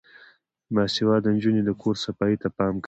باسواده نجونې د کور صفايي ته پام کوي.